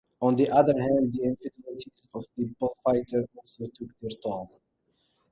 On the other hand, the infidelities of the bullfighter also took their toll.